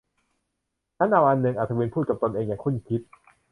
งั้นเอาอันนึง อัศวินพูดกับตนเองอย่างครุ่นคิด